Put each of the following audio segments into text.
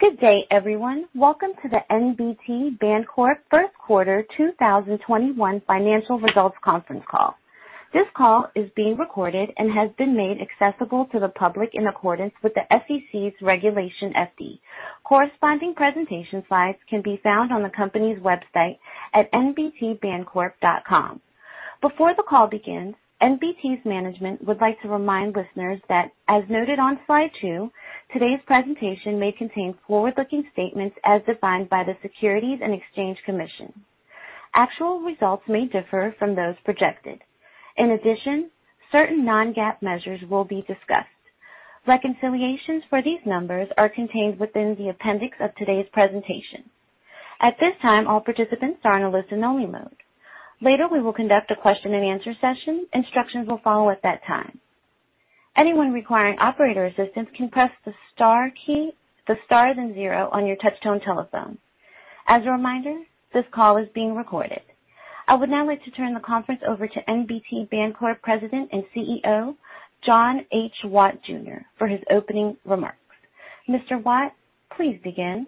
Good day, everyone. Welcome to the NBT Bancorp Q1 2021 financial results conference call. This call is being recorded and has been made accessible to the public in accordance with the SEC's Regulation FD. Corresponding presentation slides can be found on the company's website at nbtbancorp.com. Before the call begins, NBT's management would like to remind listeners that, as noted on slide two, today's presentation may contain forward-looking statements as defined by the Securities and Exchange Commission. Actual results may differ from those projected. In addition, certain non-GAAP measures will be discussed. Reconciliations for these numbers are contained within the appendix of today's presentation. At this time, all participants are in a listen-only mode. Later, we will conduct a question-and-answer session. Instructions will follow at that time. Anyone requiring operator assistance can press the star key, the star, then zero on your touch-tone telephone. As a reminder, this call is being recorded. I would now like to turn the conference over to NBT Bancorp President and CEO, John H. Watt, Jr., for his opening remarks. Mr. Watt, please begin.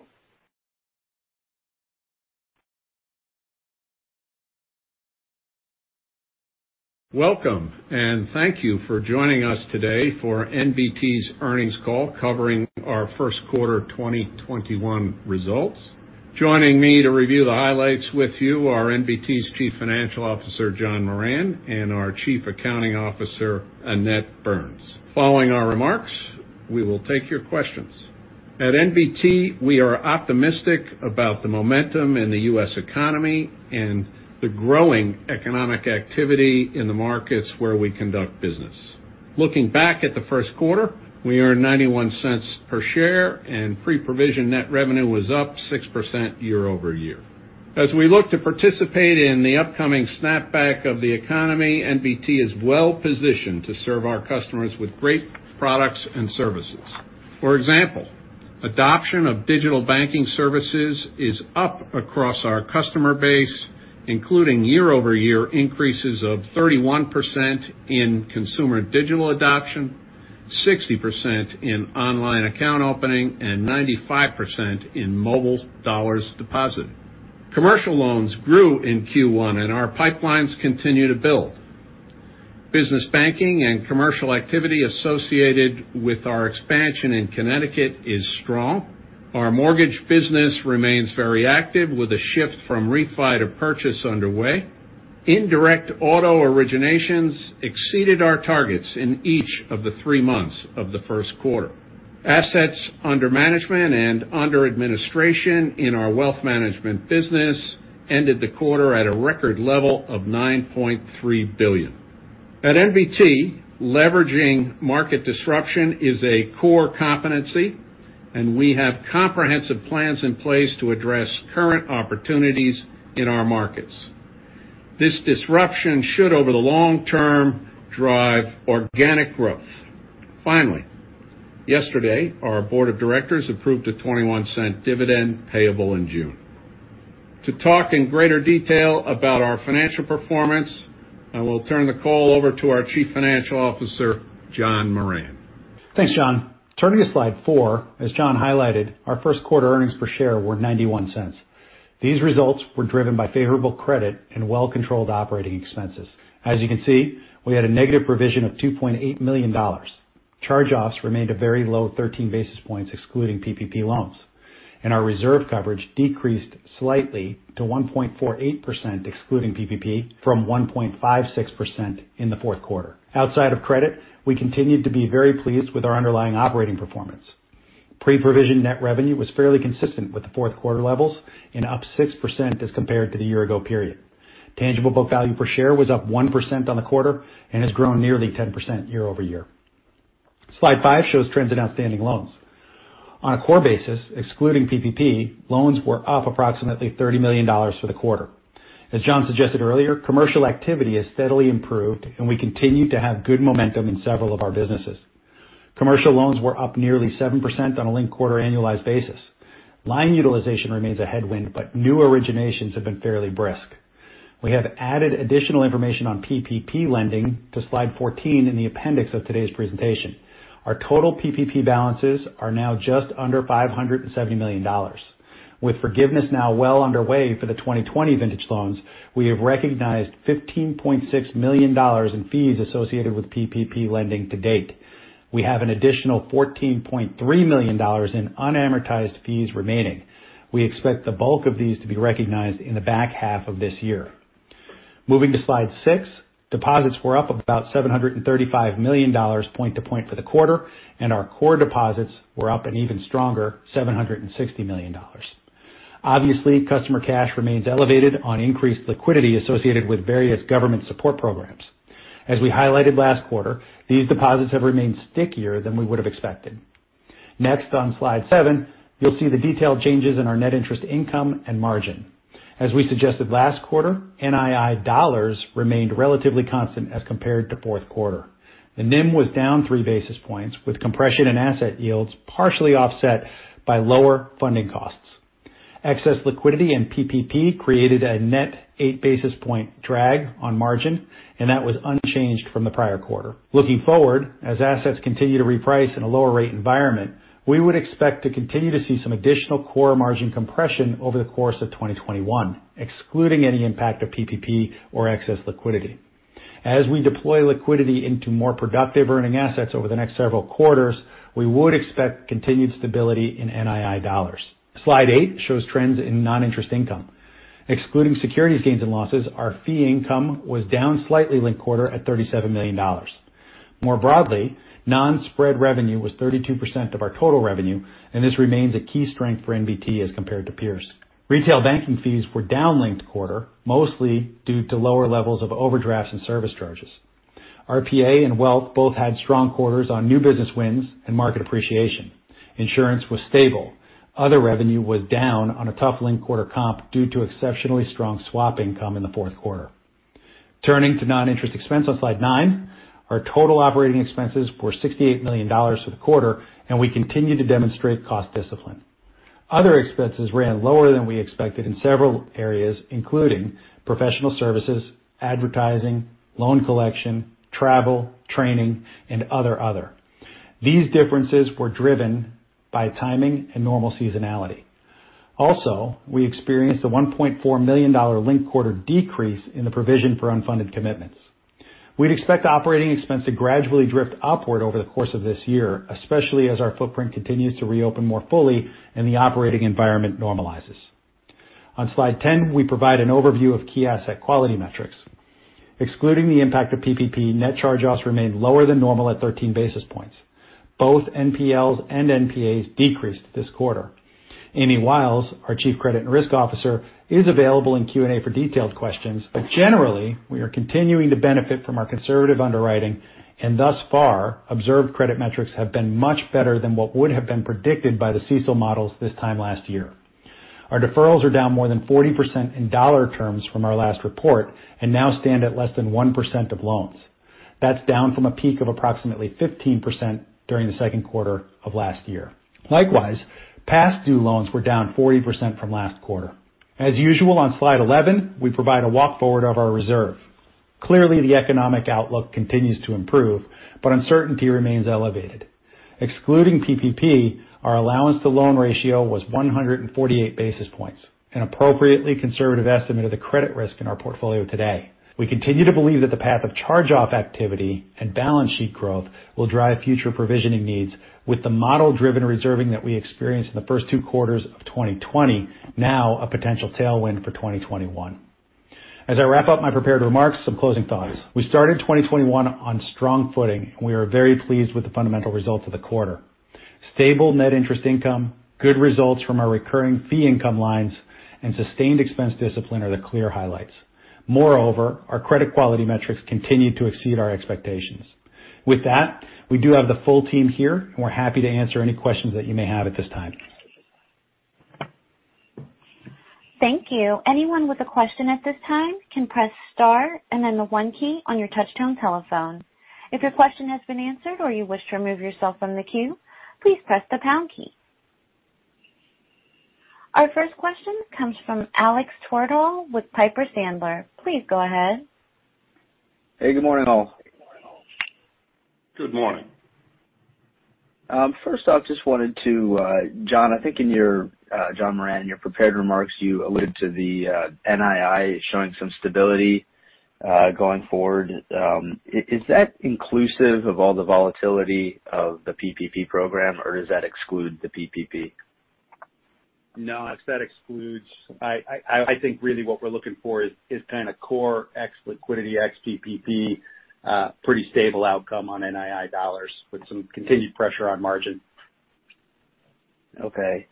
Welcome, and thank you for joining us today for NBT's earnings call covering our Q1 2021 results. Joining me to review the highlights with you are NBT's Chief Financial Officer, John Moran, and our Chief Accounting Officer, Annette Burns. Following our remarks, we will take your questions. At NBT, we are optimistic about the momentum in the U.S. economy and the growing economic activity in the markets where we conduct business. Looking back at the Q1, we earned $0.91 per share, and pre-provision net revenue was up 6% year-over-year. As we look to participate in the upcoming snapback of the economy, NBT is well-positioned to serve our customers with great products and services. For example, adoption of digital banking services is up across our customer base, including year-over-year increases of 31% in consumer digital adoption, 60% in online account opening, and 95% in mobile dollars deposited. Commercial loans grew in Q1, and our pipelines continue to build. Business banking and commercial activity associated with our expansion in Connecticut is strong. Our mortgage business remains very active, with a shift from refi to purchase underway. Indirect auto originations exceeded our targets in each of the three months of the Q1. Assets under management and under administration in our wealth management business ended the quarter at a record level of $9.3 billion. At NBT Bancorp, leveraging market disruption is a core competency, and we have comprehensive plans in place to address current opportunities in our markets. This disruption should, over the long term, drive organic growth. Yesterday, our board of directors approved a $0.21 dividend payable in June. To talk in greater detail about our financial performance, I will turn the call over to our Chief Financial Officer, John Moran. Thanks, John. Turning to slide four, as John highlighted, our Q1 earnings per share were $0.91. These results were driven by favorable credit and well-controlled operating expenses. As you can see, we had a negative provision of $2.8 million. Charge-offs remained a very low 13 basis points excluding PPP loans, and our reserve coverage decreased slightly to 1.48%, excluding PPP, from 1.56% in the Q4. Outside of credit, we continued to be very pleased with our underlying operating performance. pre-provision net revenue was fairly consistent with the Q4 levels and up 6% as compared to the year ago period. tangible book value per share was up 1% on the quarter and has grown nearly 10% year-over-year. Slide five shows trends in outstanding loans. On a core basis, excluding PPP, loans were up approximately $30 million for the quarter. As John suggested earlier, commercial activity has steadily improved. We continue to have good momentum in several of our businesses. Commercial loans were up nearly 7% on a linked-quarter annualized basis. Line utilization remains a headwind. New originations have been fairly brisk. We have added additional information on PPP lending to slide 14 in the appendix of today's presentation. Our total PPP balances are now just under $570 million. With forgiveness now well underway for the 2020 vintage loans, we have recognized $15.6 million in fees associated with PPP lending to-date. We have an additional $14.3 million in unamortized fees remaining. We expect the bulk of these to be recognized in the back half of this year. Moving to slide six, deposits were up about $735 million point-to-point for the quarter. Our core deposits were up an even stronger $760 million. Obviously, customer cash remains elevated on increased liquidity associated with various government support programs. As we highlighted last quarter, these deposits have remained stickier than we would've expected. Next, on slide seven, you'll see the detailed changes in our net interest income and margin. As we suggested last quarter, NII dollars remained relatively constant as compared to Q4. The NIM was down 3 basis points, with compression in asset yields partially offset by lower funding costs. Excess liquidity and PPP created a net 8 basis point drag on margin, and that was unchanged from the prior quarter. Looking forward, as assets continue to reprice in a lower rate environment, we would expect to continue to see some additional core margin compression over the course of 2021, excluding any impact of PPP or excess liquidity. As we deploy liquidity into more productive earning assets over the next several quarters, we would expect continued stability in NII dollars. Slide eight shows trends in non-interest income. Excluding securities gains and losses, our fee income was down slightly linked quarter at $37 million. More broadly, non-spread revenue was 32% of our total revenue, and this remains a key strength for NBT as compared to peers. Retail banking fees were down linked quarter, mostly due to lower levels of overdrafts and service charges. RPA and Wealth both had strong quarters on new business wins and market appreciation. Insurance was stable. Other revenue was down on a tough linked-quarter comp due to exceptionally strong swap income in the Q4. Turning to non-interest expense on slide nine. Our total operating expenses were $68 million for the quarter, and we continue to demonstrate cost discipline. Other expenses ran lower than we expected in several areas, including professional services, advertising, loan collection, travel, training, and other. These differences were driven by timing and normal seasonality. Also, we experienced a $1.4 million linked-quarter decrease in the provision for unfunded commitments. We'd expect operating expense to gradually drift upward over the course of this year, especially as our footprint continues to reopen more fully and the operating environment normalizes. On slide 10, we provide an overview of key asset quality metrics. Excluding the impact of PPP, net charge-offs remained lower than normal at 13 basis points. Both NPLs and NPAs decreased this quarter. Amy Wiles, our Chief Credit and Risk Officer, is available in Q&A for detailed questions, but generally, we are continuing to benefit from our conservative underwriting, and thus far, observed credit metrics have been much better than what would have been predicted by the CECL models this time last year. Our deferrals are down more than 40% in dollar terms from our last report and now stand at less than 1% of loans. That's down from a peak of approximately 15% during the Q2 of last year. Likewise, past due loans were down 40% from last quarter. As usual, on slide 11, we provide a walk forward of our reserve. Clearly, the economic outlook continues to improve, but uncertainty remains elevated. Excluding PPP, our allowance to loan ratio was 148 basis points, an appropriately conservative estimate of the credit risk in our portfolio today. We continue to believe that the path of charge-off activity and balance sheet growth will drive future provisioning needs with the model-driven reserving that we experienced in the first two quarters of 2020 now a potential tailwind for 2021. As I wrap up my prepared remarks, some closing thoughts. We started 2021 on strong footing, and we are very pleased with the fundamental results of the quarter. Stable net interest income, good results from our recurring fee income lines, and sustained expense discipline are the clear highlights. Moreover, our credit quality metrics continue to exceed our expectations. With that, we do have the full team here, and we're happy to answer any questions that you may have at this time. Thank you. Anyone with a question at this time can press star and then one key on your touch-tone telephone. If your questions has been answered or you wish to remove yourself from the queue, please press the pound key. Our first question comes from Alexander Tontora with Piper Sandler. Please go ahead. Hey, good morning, all. Good morning. John Moran, I think in your prepared remarks, you alluded to the NII showing some stability going forward. Is that inclusive of all the volatility of the PPP program, or does that exclude the PPP? No, that excludes. I think really what we're looking for is kind of core ex liquidity, ex PPP pretty stable outcome on NII dollars with some continued pressure on margin. Okay.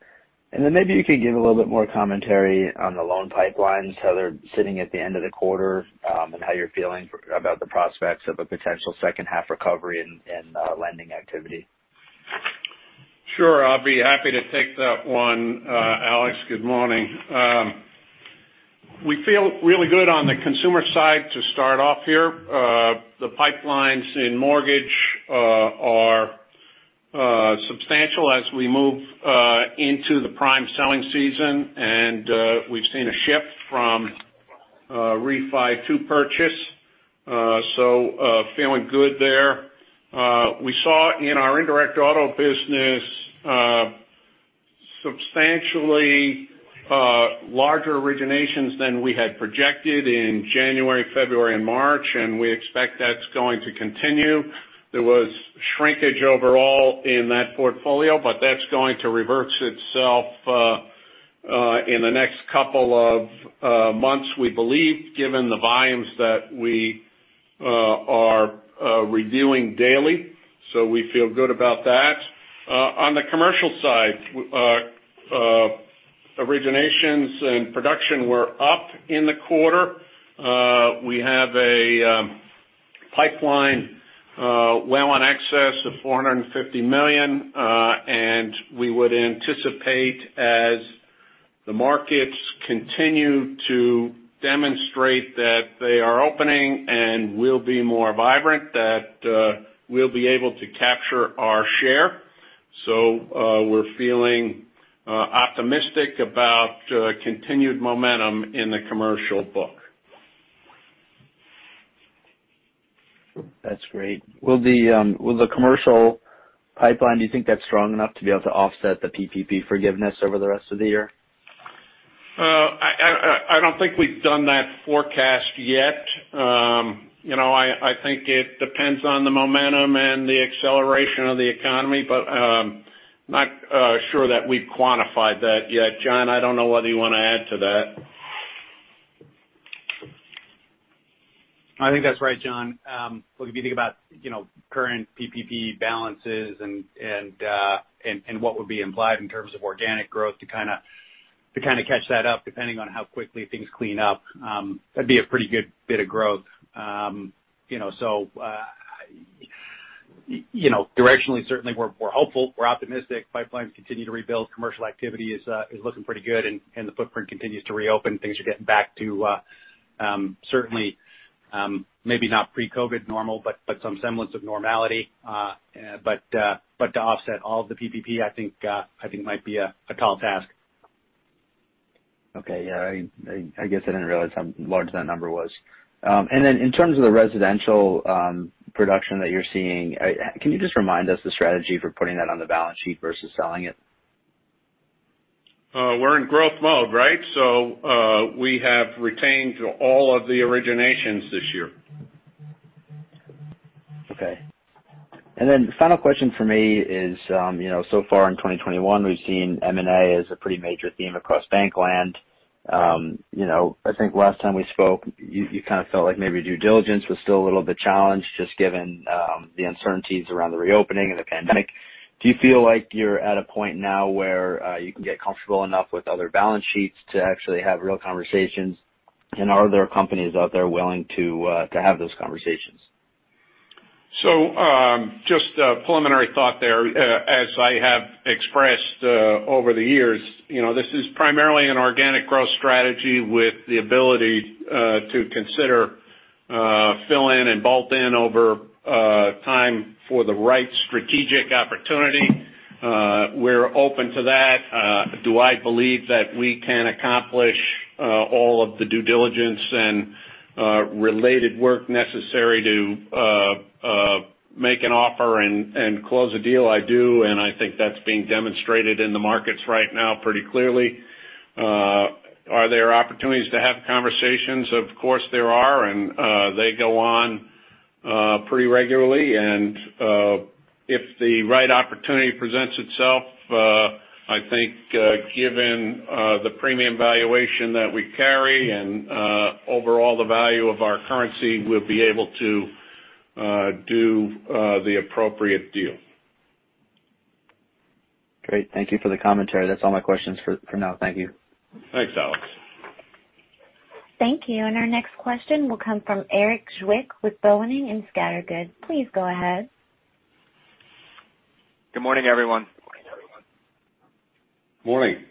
Maybe you could give a little bit more commentary on the loan pipelines, how they're sitting at the end of the quarter, and how you're feeling about the prospects of a potential H2 recovery in lending activity? Sure. I'll be happy to take that one, Alex. Good morning. We feel really good on the consumer side to start off here. The pipelines in mortgage are substantial as we move into the prime selling season, and we've seen a shift from refi to purchase. Feeling good there. We saw in our indirect auto business substantially larger originations than we had projected in January, February, and March, and we expect that's going to continue. There was shrinkage overall in that portfolio, but that's going to reverse itself in the next couple of months, we believe, given the volumes that we are reviewing daily. We feel good about that. On the commercial side, originations and production were up in the quarter. We have a pipeline well in excess of $450 million, and we would anticipate as the markets continue to demonstrate that they are opening and will be more vibrant, that we'll be able to capture our share. We're feeling optimistic about continued momentum in the commercial book. That's great. With the commercial pipeline, do you think that's strong enough to be able to offset the PPP forgiveness over the rest of the year? I don't think we've done that forecast yet. I think it depends on the momentum and the acceleration of the economy, but I'm not sure that we've quantified that yet. John, I don't know whether you want to add to that. I think that's right, John. Look, if you think about current PPP balances and what would be implied in terms of organic growth to kind of catch that up, depending on how quickly things clean up, that'd be a pretty good bit of growth. Directionally, certainly, we're hopeful, we're optimistic. Pipelines continue to rebuild. Commercial activity is looking pretty good and the footprint continues to reopen. Things are getting back to, certainly, maybe not pre-COVID normal, but some semblance of normality. To offset all of the PPP, I think might be a tall task. Okay. Yeah. I guess I didn't realize how large that number was. In terms of the residential production that you're seeing, can you just remind us the strategy for putting that on the balance sheet versus selling it? We're in growth mode, right? We have retained all of the originations this year. Okay. Then final question from me is, so far in 2021, we've seen M&A as a pretty major theme across bank land. I think last time we spoke, you kind of felt like maybe due diligence was still a little bit challenged, just given the uncertainties around the reopening and the pandemic. Do you feel like you're at a point now where you can get comfortable enough with other balance sheets to actually have real conversations? Are there companies out there willing to have those conversations? Just a preliminary thought there. As I have expressed over the years, this is primarily an organic growth strategy with the ability to consider fill in and bolt-on over time for the right strategic opportunity. We're open to that. Do I believe that we can accomplish all of the due diligence and related work necessary to make an offer and close a deal? I do, and I think that's being demonstrated in the markets right now pretty clearly. Are there opportunities to have conversations? Of course, there are, and they go on pretty regularly. If the right opportunity presents itself, I think, given the premium valuation that we carry and overall the value of our currency, we'll be able to do the appropriate deal. Great. Thank you for the commentary. That's all my questions for now. Thank you. Thanks, Alex. Thank you. Our next question will come from Erik Zwick with Boenning & Scattergood. Please go ahead. Good morning, everyone. Morning.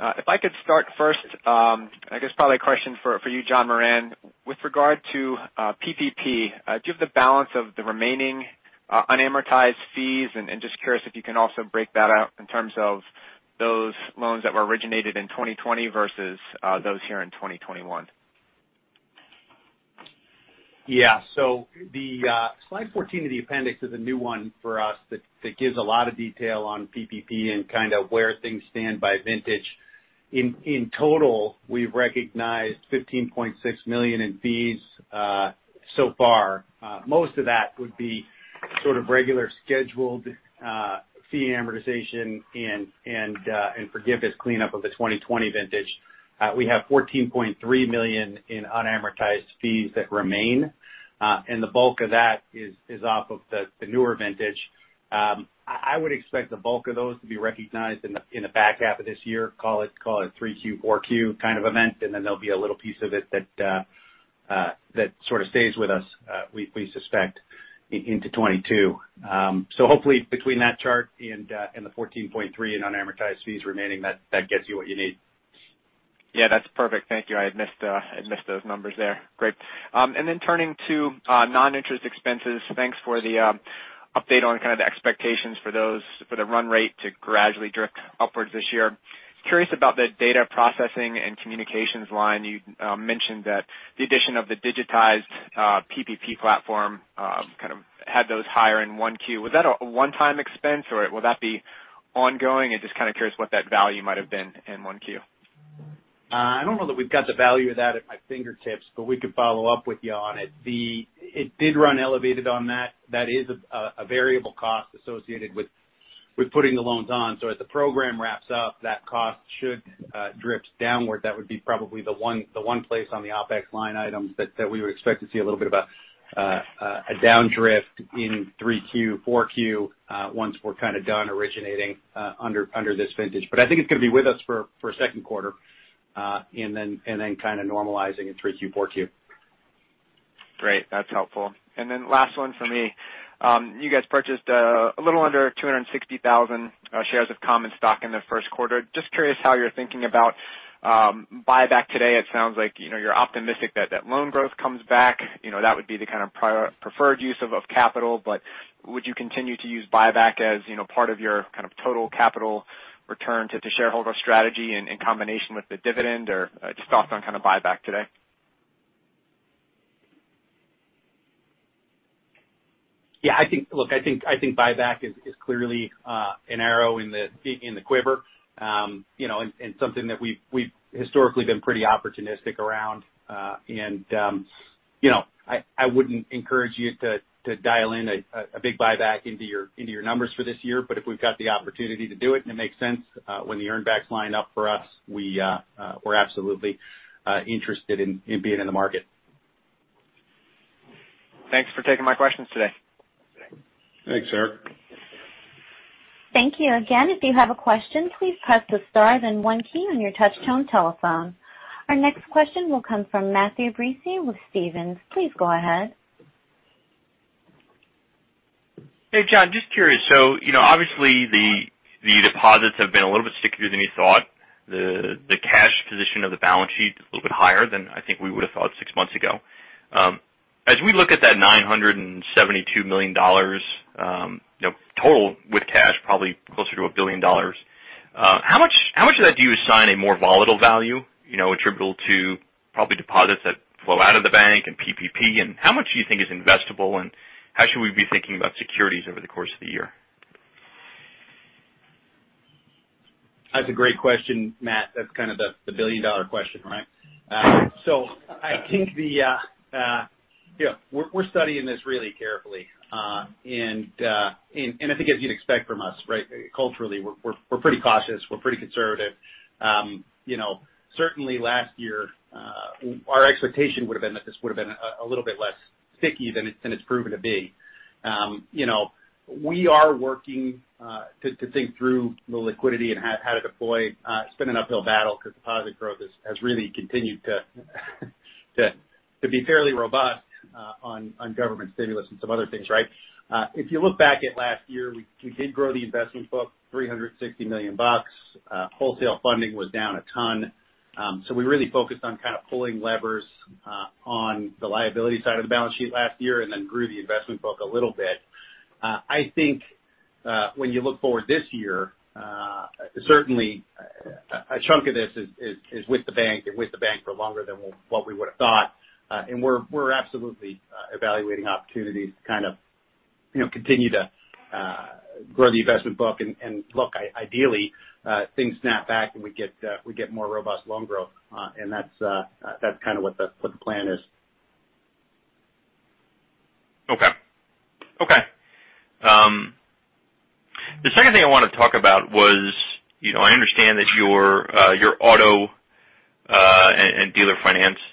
If I could start first, I guess probably a question for you, John Moran. With regard to PPP, do you have the balance of the remaining unamortized fees? Just curious if you can also break that out in terms of those loans that were originated in 2020 versus those here in 2021. Yeah. The slide 14 of the appendix is a new one for us that gives a lot of detail on PPP and kind of where things stand by vintage. In total, we've recognized $15.6 million in fees so far. Most of that would be sort of regular scheduled fee amortization and forgiveness cleanup of the 2020 vintage. We have $14.3 million in unamortized fees that remain. The bulk of that is off of the newer vintage. I would expect the bulk of those to be recognized in the back half of this year, call it 3Q, 4Q kind of event. Then there'll be a little piece of it that sort of stays with us, we suspect, into 2022. Hopefully between that chart and the $14.3 in unamortized fees remaining, that gets you what you need. Yeah, that's perfect. Thank you. I had missed those numbers there. Great. Then turning to non-interest expenses, thanks for the update on kind of the expectations for those for the run rate to gradually drift upwards this year. Curious about the data processing and communications line. You mentioned that the addition of the digitized PPP platform kind of had those higher in 1Q. Was that a one-time expense or will that be ongoing? Just kind of curious what that value might have been in 1Q. I don't know that we've got the value of that at my fingertips, but we could follow-up with you on it. It did run elevated on that. That is a variable cost associated with putting the loans on. As the program wraps up, that cost should drift downward. That would be probably the one place on the OPEX line item that we would expect to see a little bit of a downdrift in 3Q, 4Q, once we're kind of done originating under this vintage. I think it's going to be with us for Q2, and then kind of normalizing in 3Q, 4Q. Great. That's helpful. Then last one from me. You guys purchased a little under 260,000 shares of common stock in the Q1. Just curious how you're thinking about buyback today. It sounds like you're optimistic that that loan growth comes back. That would be the kind of preferred use of capital. Would you continue to use buyback as part of your kind of total capital return to shareholder strategy and in combination with the dividend or just thoughts on kind of buyback today? Yeah. Look, I think buyback is clearly an arrow in the quiver, and something that we've historically been pretty opportunistic around. I wouldn't encourage you to dial in a big buyback into your numbers for this year. If we've got the opportunity to do it and it makes sense when the earnbacks line up for us, we're absolutely interested in being in the market. Thanks for taking my questions today. Thanks, Erik. Thank you. Again, if you have a question, please press the star then one key on your touch-tone telephone. Our next question will come from Matthew Breese with Stephens. Please go ahead. Hey, John. Just curious. Obviously the deposits have been a little bit stickier than you thought. The cash position of the balance sheet is a little bit higher than I think we would've thought six months ago. As we look at that $972 million, total with cash, probably closer to $1 billion, how much of that do you assign a more volatile value attributable to probably deposits that flow out of the bank and PPP? How much do you think is investable and how should we be thinking about securities over the course of the year? That's a great question, Matthew. That's kind of the billion-dollar question, right? I think we're studying this really carefully. I think as you'd expect from us, right, culturally, we're pretty cautious. We're pretty conservative. Certainly last year, our expectation would've been that this would've been a little bit less sticky than it's proven to be. We are working to think through the liquidity and how to deploy. It's been an uphill battle because deposit growth has really continued to be fairly robust on government stimulus and some other things, right? If you look back at last year, we did grow the investment book $360 million. Wholesale funding was down a ton. We really focused on kind of pulling levers on the liability side of the balance sheet last year and then grew the investment book a little bit. I think when you look forward this year, certainly a chunk of this is with the bank and with the bank for longer than what we would've thought. We're absolutely evaluating opportunities to kind of continue to grow the investment book. Look, ideally things snap back and we get more robust loan growth. That's kind of what the plan is. Okay. The second thing I want to talk about was, I understand that your auto and dealer finance book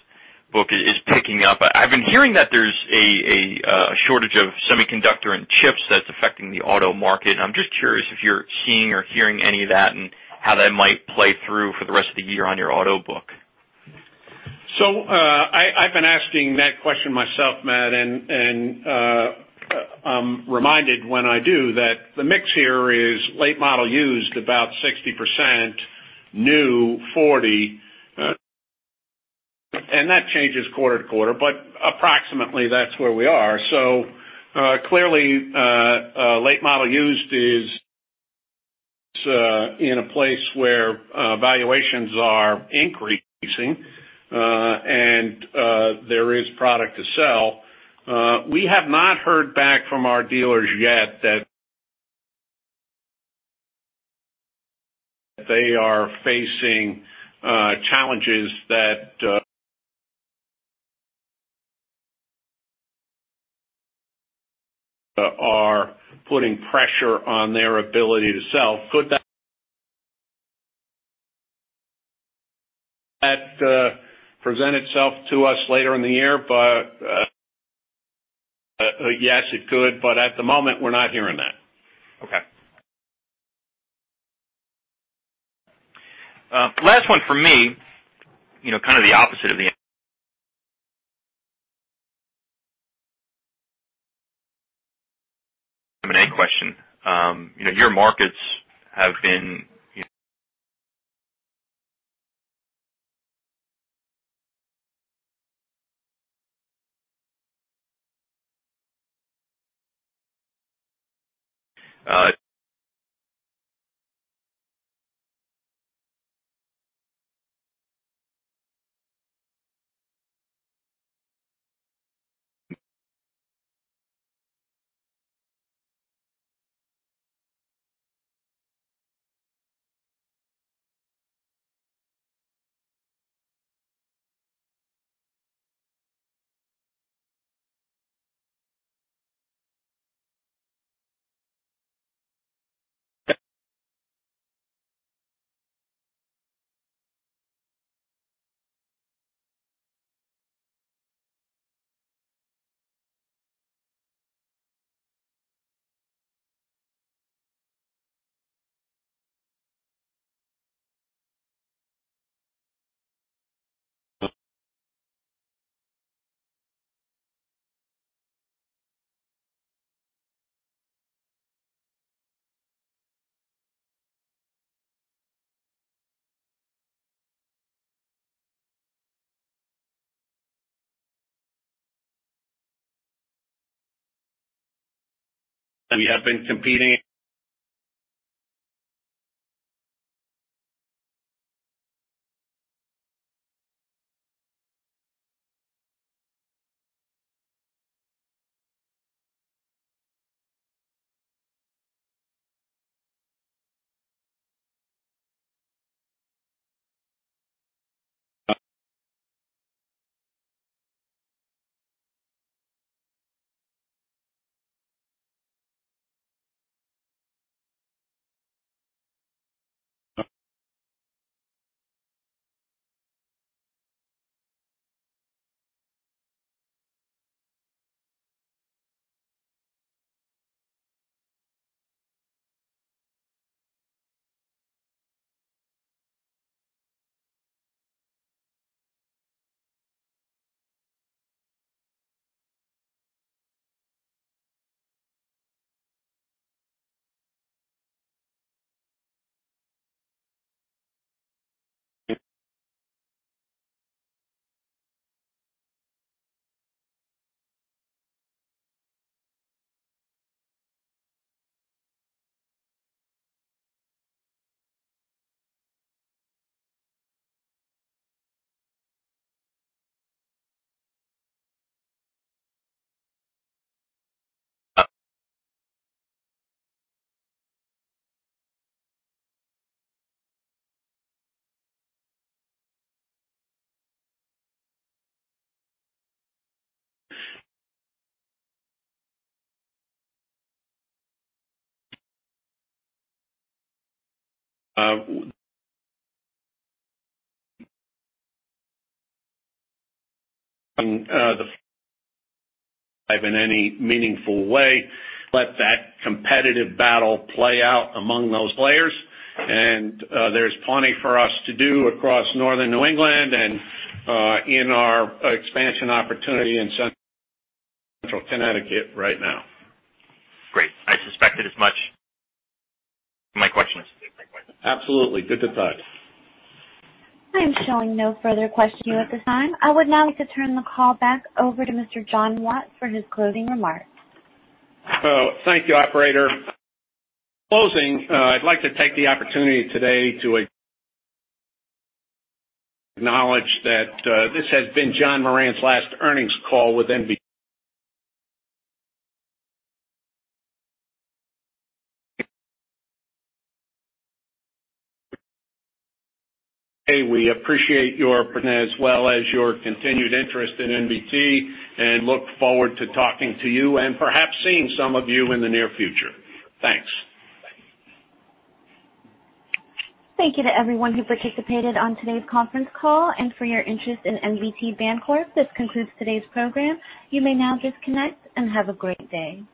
is picking up. I've been hearing that there's a shortage of semiconductor and chips that's affecting the auto market, and I'm just curious if you're seeing or hearing any of that and how that might play through for the rest of the year on your auto book. I've been asking that question myself, Matthew Breese, and I'm reminded when I do that the mix here is late model used about 60%, new 40. That changes quarter to quarter, but approximately that's where we are. Clearly, late model used is in a place where valuations are increasing, and there is product to sell. We have not heard back from our dealers yet that they are facing challenges that are putting pressure on their ability to sell. Could that present itself to us later in the year? Yes, it could, but at the moment we're not hearing that. Okay. Last one from me, kind of the opposite of the M&A question. Your markets have been- We have been competing. In any meaningful way, let that competitive battle play out among those players. There's plenty for us to do across Northern New England and in our expansion opportunity in Central Connecticut right now. Great. I suspected as much. My question is Absolutely. Good to talk. I am showing no further questions at this time. I would now like to turn the call back over to Mr. John H. Watt, Jr. for his closing remarks. Thank you, operator. In closing, I'd like to take the opportunity today to acknowledge that this has been John Moran's last earnings call with NBT. We appreciate your presence as well as your continued interest in NBT, and look forward to talking to you and perhaps seeing some of you in the near future. Thanks. Thank you to everyone who participated on today's conference call and for your interest in NBT Bancorp. This concludes today's program. You may now disconnect, and have a great day.